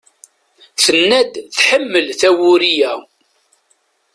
Tenna-d tḥemmel tawuri-a.